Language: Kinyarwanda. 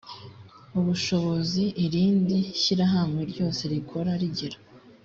ubushobozi irindi shyirahamwe ryose rikora rigira